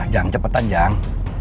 jangan cepetan jang